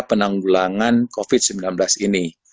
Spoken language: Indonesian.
penanggulangan covid sembilan belas ini